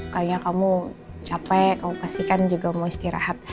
kayaknya kamu capek kamu pasti kan juga mau istirahat